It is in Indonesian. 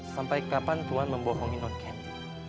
sampai kapan tuan membohongi non candy